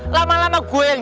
lama lama gue yang